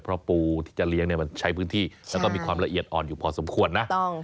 เพราะปูที่จะเลี้ยงมันใช้พื้นที่แล้วก็มีความละเอียดอ่อนอยู่พอสมควรนะ